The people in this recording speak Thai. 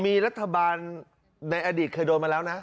มีรัฐบาลในอดีตเคยโดนมาแล้วนะ